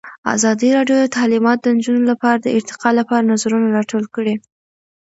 ازادي راډیو د تعلیمات د نجونو لپاره د ارتقا لپاره نظرونه راټول کړي.